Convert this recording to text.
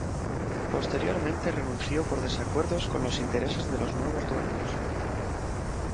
Posteriormente renunció por desacuerdos con los intereses de los nuevos dueños.